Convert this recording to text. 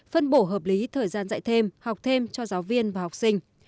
phân bổ hợp lý thời gian dạy thêm học thêm cho giáo viên và học sinh